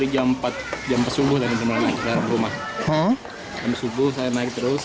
jam subuh saya naik terus